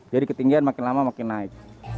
jadi ketinggian makin lama makin naik